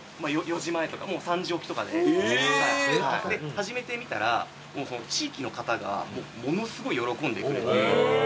始めてみたら地域の方がものすごい喜んでくれて。